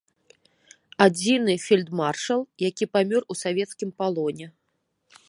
Адзіны фельдмаршал, які памёр у савецкім палоне.